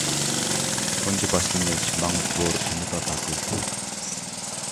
تۇنجى باشلىنىش ماڭا زور ئۈمىد ئاتا قىلدى.